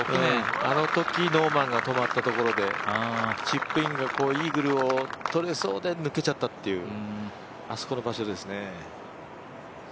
あのときノーマンが止まったところで、チップインがイーグルを取れそうで抜けちゃったというあそこの場所ですね。